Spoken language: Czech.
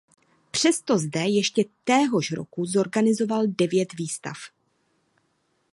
Přesto zde ještě téhož roku zorganizoval devět výstav.